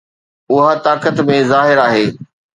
اها طاقت ۾ ظاهر آهي.